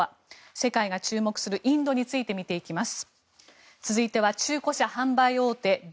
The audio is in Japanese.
世界が注目するインドについてみていきます。